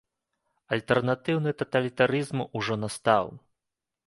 Альтэрнатыўны таталітарызм ужо настаў.